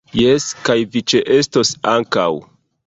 Jes, kaj vi ĉeestos ankaŭ